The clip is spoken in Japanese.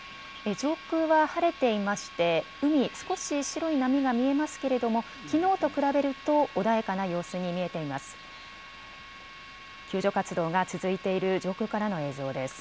上空は晴れていまして海、少し白い波が見えますけれどもきのうと比べると穏やかな様子に見えています。